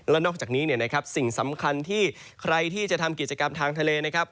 และนอกจากนี้เนี่ยนะครับสิ่งสำคัญที่ใครที่จะทำกิจกรรมทางทะเลนะครับ